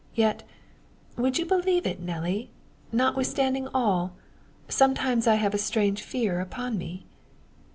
Yet, would you believe it, Nelly, notwithstanding all, I sometimes have a strange fear upon me?"